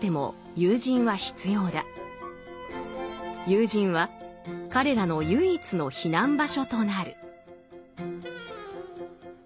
友人は彼らの唯一の避難場所となる。